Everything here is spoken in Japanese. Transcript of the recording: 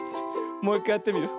もういっかいやってみるよ。